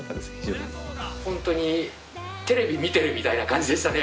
ホントにテレビ見てるみたいな感じでしたね。